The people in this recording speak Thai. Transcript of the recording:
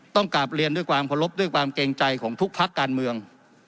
กลับเรียนด้วยความเคารพด้วยความเกรงใจของทุกพักการเมือง